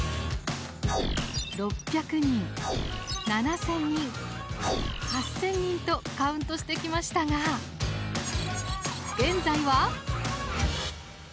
６００人、７０００人８０００人とカウントしてきましたが現在は。